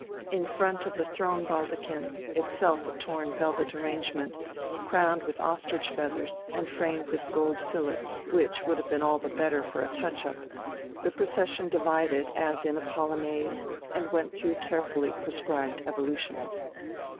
In front of the throne baldachin, itself a torn velvet arrangement, crowned with ostrich feathers and framed with gold fillets which would have been all the better for a touch up, the procession divided as in a polonaise, and went through carefully prescribed evolutions.